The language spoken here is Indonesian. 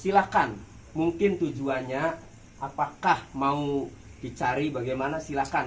silahkan mungkin tujuannya apakah mau dicari bagaimana silakan